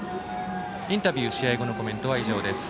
インタビュー試合後のコメントは以上です。